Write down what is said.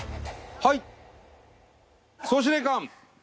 はい。